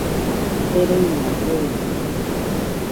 Gereina feide